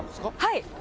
はい。